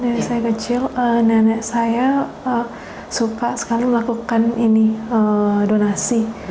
jadi sejak saya kecil dari saya kecil nenek saya suka sekali melakukan donasi